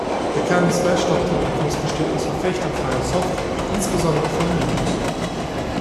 Der Kern des Slashdot-Publikums besteht aus Verfechtern freier Software, insbesondere von Linux.